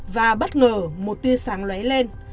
và bất ngờ một tia sáng lé lên